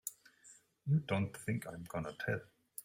You don't think I'm gonna tell!